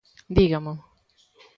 ¡Dígamo!